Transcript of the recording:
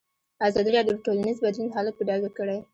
ازادي راډیو د ټولنیز بدلون حالت په ډاګه کړی.